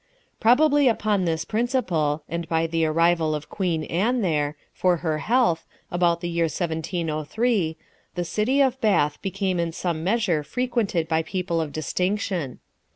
Probably upon this principle, and by the arrival of Queen Anne there, for her health, about the year 1703, l the city of Bath became in some measure frequented by people of distinction.